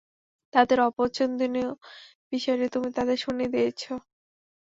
তাদের অপছন্দনীয় বিষয়টি তুমি তাদের শুনিয়ে দিয়েছো।